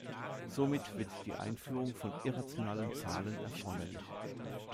Somit wird die Einführung von irrationalen Zahlen erforderlich.